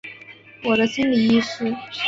我的心理医师